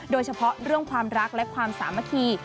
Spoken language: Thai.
โดยเฉพาะเรื่องความรักและความสามัคคี